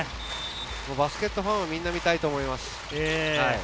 バスケットファンはみんな見たいと思います。